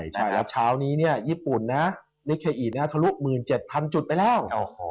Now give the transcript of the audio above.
ใช่แล้วเช้านี้เนี่ยญี่ปุ่นนะนิเคอีทเนี่ยทะลุ๑๗๐๐๐จุดไปแล้ว